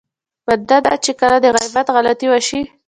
بنده نه چې کله د غيبت غلطي وشي.